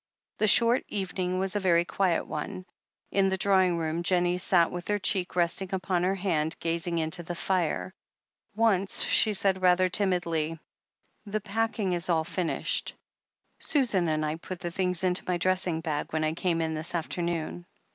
The short evening was a very quiet one. In the drawing room Jennie sat with her cheek resting upon her hand, gazing into the fire. Once she said rather timidly : "The packing is all finished. Susan and I put the things into my new dressing bag when I came in this afternoon."